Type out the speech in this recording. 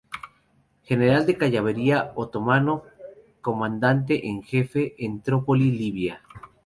General de Caballería Otomano, Comandante en Jefe en Trípoli, Libia.